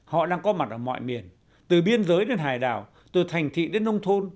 họ đang có mặt ở mọi miền từ biên giới đến hải đảo từ thành thị đến nông thôn